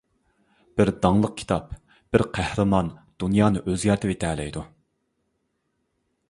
بىر داڭلىق كىتاب، بىر قەھرىمان دۇنيانى ئۆزگەرتىۋېتەلەيدۇ.